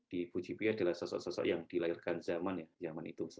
di bujibaya adalah sosok sosok yang dilahirkan zaman itu